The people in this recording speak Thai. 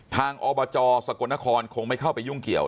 อบจสกลนครคงไม่เข้าไปยุ่งเกี่ยว